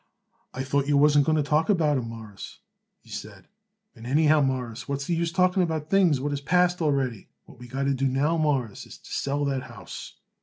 "I thought you wasn't going to talk about him, Mawruss," he said; "and, anyhow, Mawruss, what's the use talking about things what is past already? What we got to do now, Mawruss, is to sell that house."